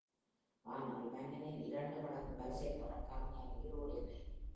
ஆனால், மன்னனின் இரண்டு மடங்கு பரிசைப் பெறக் கவிஞர் உயிரோடில்லை.